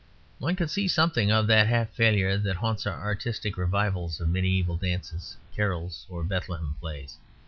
One could see something of that half failure that haunts our artistic revivals of mediæval dances, carols, or Bethlehem Plays.